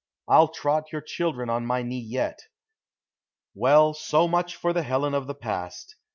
I'll trot your children on my knee yet. Well, so much for the Helen of the past.